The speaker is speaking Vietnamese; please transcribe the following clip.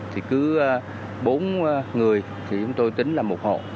thì cứ bốn người thì chúng tôi tính là một hộ